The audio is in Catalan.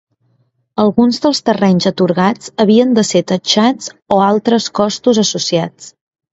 Alguns dels terrenys atorgats havien de ser taxats o altres costos associats.